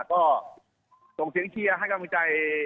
ก็ส่งเสียงเชียร์ให้กำลังใจ